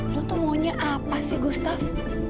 lu tuh maunya apa sih gustaf